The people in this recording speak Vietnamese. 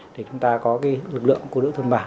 để chúng ta có lực lượng cô nữ thôn bà